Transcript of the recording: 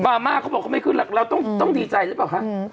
มาเขาบอกเขาไม่ขึ้นแล้วเราต้องดีใจหรือเปล่าคะ